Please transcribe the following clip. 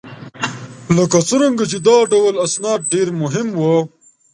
لکه څرنګه چې دا ډول اسناد ډېر مهم وه